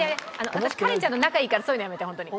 私カレンちゃんと仲いいからそういうのやめて本当に。